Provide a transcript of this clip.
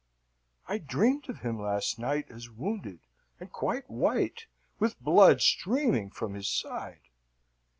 I dreamed of him last night as wounded, and quite white, with blood streaming from his side.